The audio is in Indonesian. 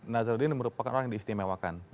nazarudin merupakan orang yang diistimewakan